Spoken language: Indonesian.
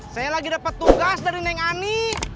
saya lagi dapat tugas dari neng ani